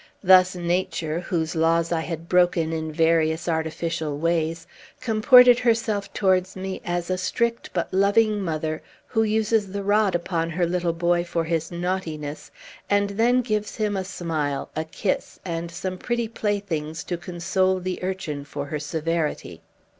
Thus Nature, whose laws I had broken in various artificial ways, comported herself towards me as a strict but loving mother, who uses the rod upon her little boy for his naughtiness, and then gives him a smile, a kiss, and some pretty playthings to console the urchin for her severity.